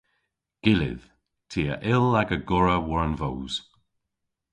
Gyllydh. Ty a yll aga gorra war an voos.